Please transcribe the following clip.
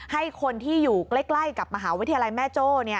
ให้คนที่อยู่ใกล้กับมหาวิทยาลัยแม่โจ้